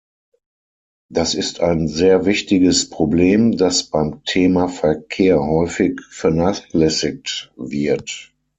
Das ist ein sehr wichtiges Problem, das beim Thema Verkehr häufig vernachlässigt wird.